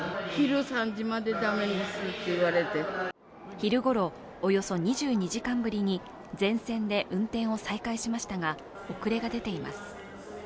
昼ごろ、およそ２２時間ぶりに全線で運転を再開しましたが遅れが出ています。